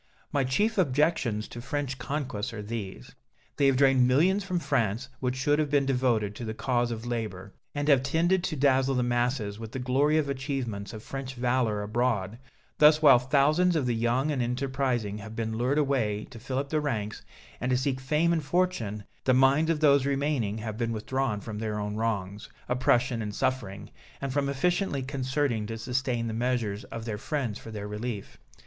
My chief objections to French conquests are these they have drained millions from France which should have been devoted to the cause of labor, and have tended to dazzle the masses with the glory of the achievements of French valor abroad; thus while thousands of the young and enterprising have been lured away to fill up the ranks, and to seek fame and fortune, the minds of those remaining have been withdrawn from their own wrongs, oppression and suffering, and from efficiently concerting to sustain the measures of their friends for their relief.